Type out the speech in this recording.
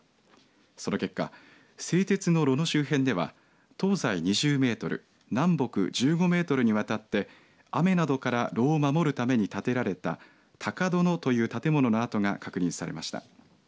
その結果、製鉄の炉の周辺では東西２０メートル南北１５メートルにわたって雨などから炉を守るために建てられた高殿という建物の跡が確認されました。